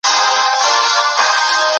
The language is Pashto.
د ضرورت په وخت کي همکاري اړینه ده.